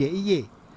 pada hari ini di diy